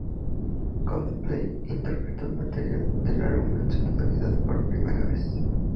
Coldplay interpretó material del álbum en su totalidad por primera vez.